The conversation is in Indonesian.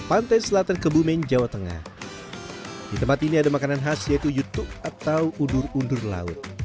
pantai selatan kebumen jawa tengah di tempat ini ada makanan khas yaitu yutuk atau udur undur laut